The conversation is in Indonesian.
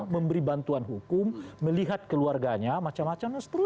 memberi bantuan hukum melihat keluarganya macam macam terus